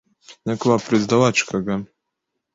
nyakubahwa president wacu kagame